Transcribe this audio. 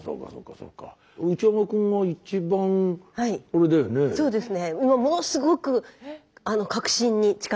そうですね。